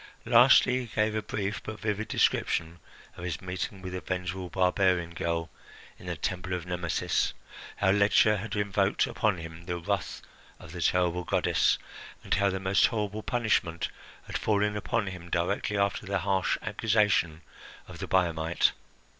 Lastly, he gave a brief but vivid description of his meeting with the vengeful barbarian girl in the Temple of Nemesis, how Ledscha had invoked upon him the wrath of the terrible goddess, and how the most horrible punishment had fallen upon him directly after the harsh accusation of the Biamite.